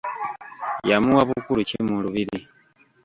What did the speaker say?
Yamuwa bukulu ki mu lubiri?